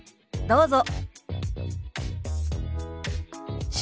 どうぞ。